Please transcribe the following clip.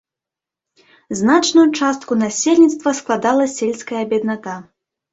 Значную частку насельніцтва складала сельская бедната.